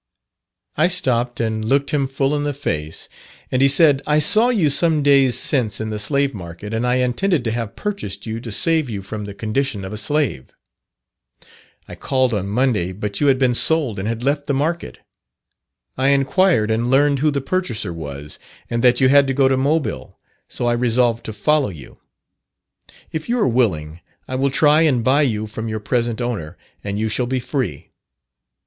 I stopped and looked him full in the face, and he said, 'I saw you some days since in the slave market, and I intended to have purchased you to save you from the condition of a slave. I called on Monday, but you had been sold and had left the market. I inquired and learned who the purchaser was, and that you had to go to Mobile, so I resolved to follow you. If you are willing, I will try and buy you from your present owner, and you shall be free.'